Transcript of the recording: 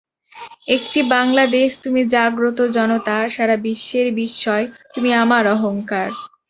একটি বাংলাদেশ তুমি জাগ্রত জনতার, সারা বিশ্বের বিস্ময় তুমি আমার অহংকার।